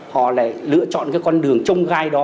họ lại lựa chọn cái con đường trông gai đó